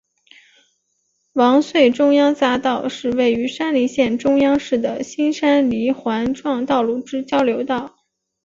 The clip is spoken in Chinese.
玉穗中央匝道是位于山梨县中央市的新山梨环状道路之交流道。